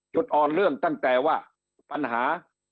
จุดอ่อนเรื่องตั้งแต่ว่าปัญหา